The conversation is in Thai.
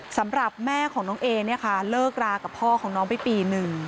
สำหรับแม่ของน้องเอเลิกรากับพ่อของน้องไปปี๑